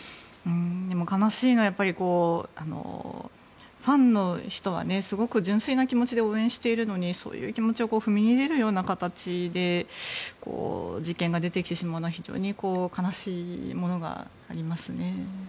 悲しいのはやはりファンの人はすごく純粋な気持ちで応援しているのにそういう気持ちを踏みにじるような形で事件が出てきてしまうのは非常に悲しいものがありますね。